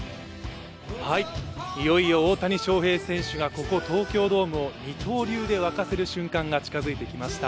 いよいよ大谷翔平選手がここ東京ドームを二刀流で沸かせる瞬間が近づいてきました。